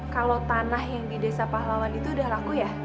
kalau tanah yang di desa pahlawan itu udah laku ya